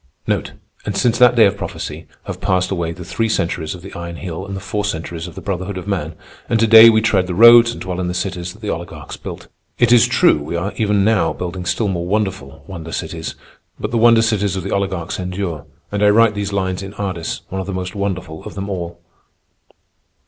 And since that day of prophecy, have passed away the three centuries of the Iron Heel and the four centuries of the Brotherhood of Man, and to day we tread the roads and dwell in the cities that the oligarchs built. It is true, we are even now building still more wonderful wonder cities, but the wonder cities of the oligarchs endure, and I write these lines in Ardis, one of the most wonderful of them all.